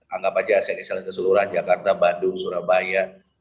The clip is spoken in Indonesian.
anggap saja asing asing seluruh jakarta bandung surabaya